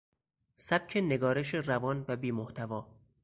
سبک نگارش روان و بیمحتوا